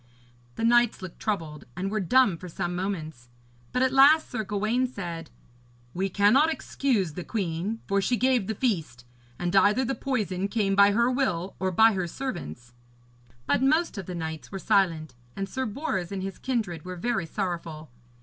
The knights looked troubled, and were dumb for some moments; but at the last Sir Gawaine said: 'We cannot excuse the queen, for she gave the feast. And either the poison came by her will or by her servants.' But most of the knights were silent, and Sir Bors and his kindred were very sorrowful.